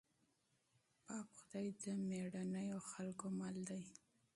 پاک خدای د مېړنيو خلکو مل دی.